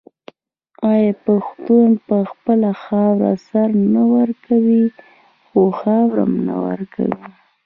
آیا پښتون په خپله خاوره سر نه ورکوي خو خاوره نه ورکوي؟